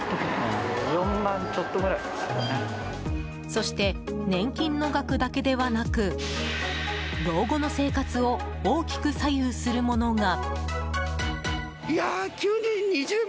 そして年金の額だけではなく老後の生活を大きく左右するものが。